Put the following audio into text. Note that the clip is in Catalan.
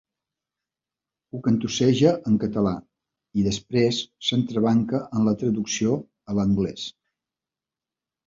Ho cantusseja en català i després s'entrebanca en la traducció a l'anglès.